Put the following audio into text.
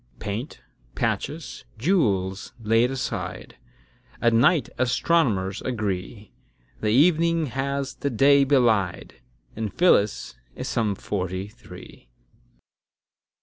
Paint, patches, jewels laid aside, At night astronomers agree, The evening has the day belied; And Phyllis is some forty three.